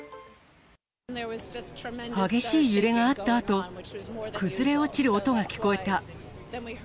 激しい揺れがあったあと、崩れ落ちる音が聞こえた。